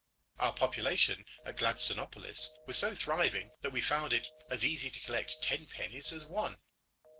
Our population at Gladstonopolis was so thriving that we found it as easy to collect ten pennies as one.